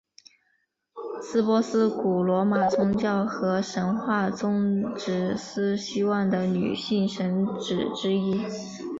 司珀斯古罗马宗教和神话中职司希望的女性神只之一。